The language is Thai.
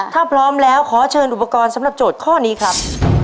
ถ้าพร้อมแล้วขอเชิญอุปกรณ์สำหรับโจทย์ข้อนี้ครับ